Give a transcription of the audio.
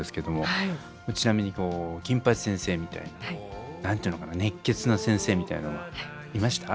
ちなみに金八先生みたいな何ていうのかな熱血な先生みたいなのはいました？